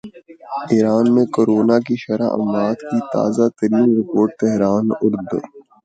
ایران میں کرونا کی شرح اموات کی تازہ ترین رپورٹ تہران ارن